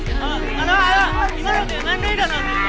あのあの今のって何塁打なんですか？